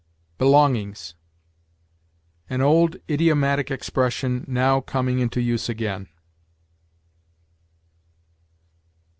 BELONGINGS. An old idiomatic expression now coming into use again.